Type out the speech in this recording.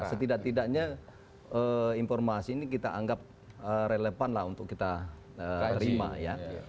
setidak tidaknya informasi ini kita anggap relevan lah untuk kita terima ya